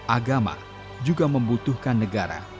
agama juga membutuhkan negara